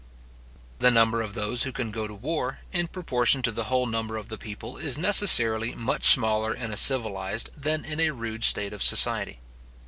The number of those who can go to war, in proportion to the whole number of the people, is necessarily much smaller in a civilized than in a rude state of society.